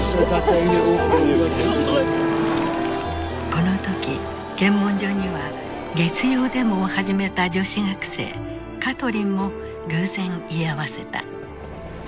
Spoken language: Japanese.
この時検問所には月曜デモを始めた女子学生カトリンも偶然居合わせた。